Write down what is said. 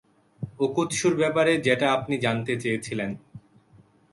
ওকোৎসুর ব্যাপারে যেটা আপনি জানতে চেয়েছিলেন।